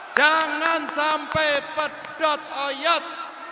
jangan sampai pedot oyot